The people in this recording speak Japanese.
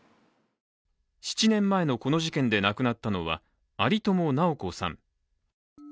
７年前のこの事件で亡くなったのは、有友尚子さん。